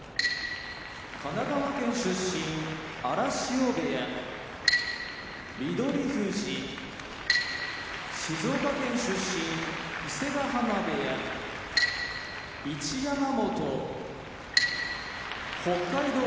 神奈川県出身荒汐部屋翠富士静岡県出身伊勢ヶ濱部屋一山本北海道